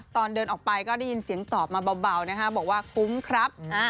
ตอนเดินออกไปก็ได้ยินเสียงตอบมาเบานะฮะบอกว่าคุ้มครับ